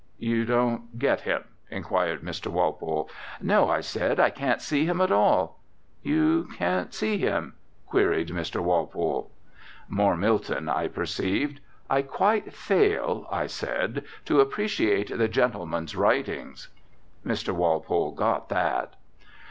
"You don't get him?" inquired Mr. Walpole. "No," I said, "I can't see him at all." "You can't see him?" queried Mr. Walpole. More Milton, I perceived. "I quite fail," I said, "to appreciate the gentleman's writings." Mr. Walpole got that.